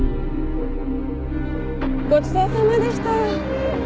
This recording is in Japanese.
ごちそうさまでした。